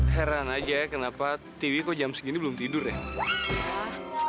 heran aja ya kenapa tv kok jam segini belum tidur ya